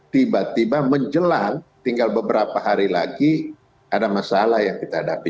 tiba tiba menjelang tinggal beberapa hari lagi ada masalah yang kita hadapi